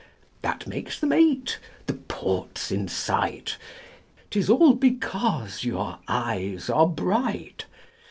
That makes them eight. The port's in sight 'Tis all because your eyes are bright!